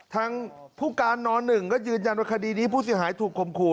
ทางผู้การน๑ก็ยืนยันว่าคดีนี้ผู้เสียหายถูกคมขู่